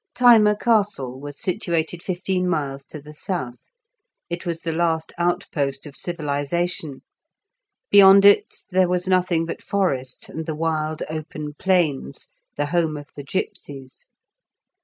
Thyma Castle was situated fifteen miles to the south; it was the last outpost of civilization; beyond it there was nothing but forest, and the wild open plains, the home of the gipsies.